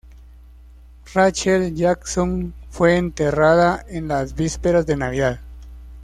Rachel Jackson fue enterrada en las vísperas de Navidad.